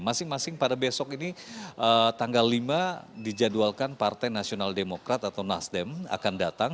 masing masing pada besok ini tanggal lima dijadwalkan partai nasional demokrat atau nasdem akan datang